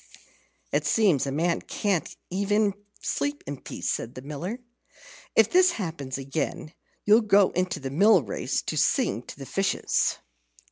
"It seems a man can't even sleep in peace," said the Miller. "If this happens again, you'll go into the mill race to sing to the fishes."